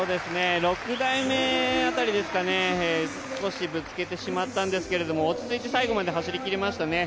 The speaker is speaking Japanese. ６台目辺りですか、少しぶつけてしまったんですけれども、落ち着いて最後まで走りきりましたね。